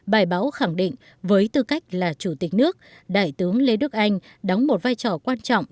bài báo khẳng định với tư cách là chủ tịch nước đại tướng lê đức anh đóng một vai trò quan trọng